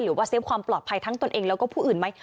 เฟฟความปลอดภัยทั้งตนเองแล้วก็ผู้อื่นไหม